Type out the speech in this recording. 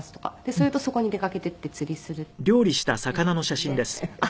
するとそこに出かけて行って釣りするっていう感じですね。